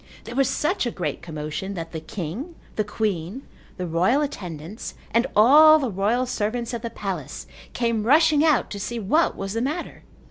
There was such a great commotion that the king, the queen, the royal attendants and all the royal servants of the palace came rushing out to see what was the matter.